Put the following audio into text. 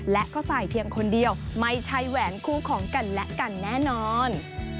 และก็ใส่เพียงคนเดียวไม่ใช่แหวนคู่ของกันและกันแน่นอน